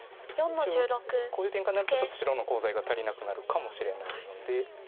一応こういう展開になるとちょっと白のコウ材が足りなくなるかもしれないので。